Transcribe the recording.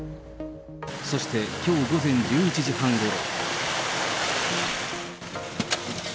そして、きょう午前１１時半ごろ。